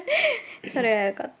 それはよかった。